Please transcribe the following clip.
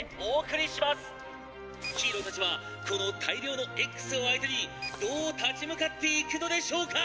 ヒーローたちはこの大量のＸを相手にどう立ち向かっていくのでしょうか！」